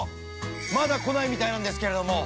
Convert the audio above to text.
まだ来ないみたいなんですけれども。